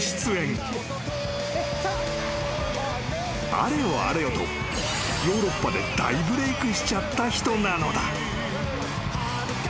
［あれよあれよとヨーロッパで大ブレークしちゃった人なのだ］